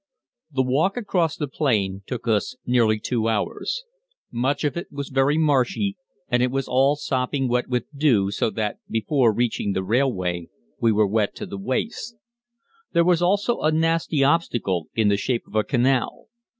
_ The walk across the plain took us nearly two hours. Much of it was very marshy, and it was all sopping wet with dew, so that, before reaching the railway, we were wet to the waist. There was also a nasty obstacle in the shape of a canal.